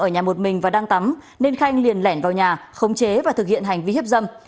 ở nhà một mình và đang tắm nên khanh liền lẻn vào nhà khống chế và thực hiện hành vi hiếp dâm